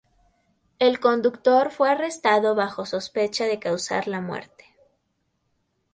El conductor fue arrestado bajo sospecha de causar la muerte.